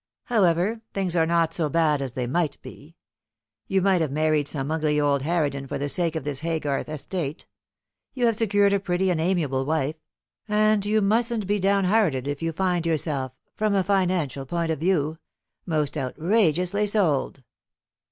However, things are not so bad as they might be. You might have married some ugly old harridan for the sake of this Haygarth estate; you have secured a pretty and amiable wife, and you mustn't be downhearted if you find yourself, from a financial point of view, most outrageously sold."